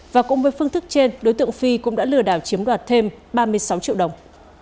và cũng với phương thức trên đối tượng phi cũng đã lừa đảo chiếm đoạt thêm ba mươi sáu triệu đồng